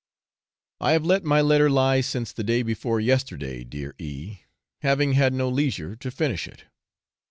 I have let my letter lie since the day before yesterday, dear E , having had no leisure to finish it.